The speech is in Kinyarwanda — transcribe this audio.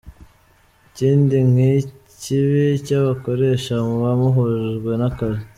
Ikindi kibi cy’abakoresha muba muhujwe n’akazi.